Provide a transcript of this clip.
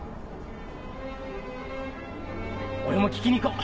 俺も聞きに行こう！